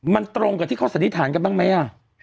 มันตรงกับที่เขาสันนิษฐานกันบ้างไหม